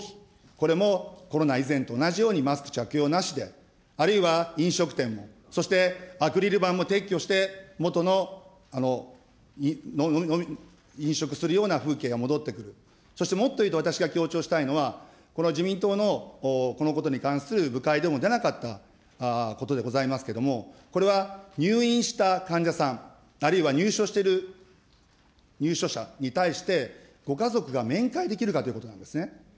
これもコロナ以前と同じようにマスク着用なしで、あるいは飲食店も、そしてアクリル板も撤去して、元の飲食するような風景が戻ってくる、そしてもっと言うと私が強調したいのは、この自民党のこのことに関する部会でも出なかったことでございますけれども、これは入院した患者さん、あるいは入所している入所者に対して、ご家族が面会できるかということなんですね。